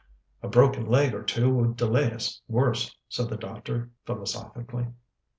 "A broken leg or two would delay us worse," said the doctor philosophically.